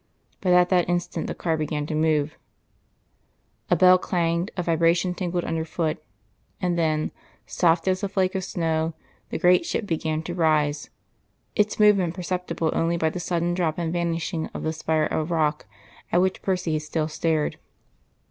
But at that instant the car began to move. A bell clanged, a vibration tingled underfoot, and then, soft as a flake of snow, the great ship began to rise, its movement perceptible only by the sudden drop and vanishing of the spire of rock at which Percy still stared.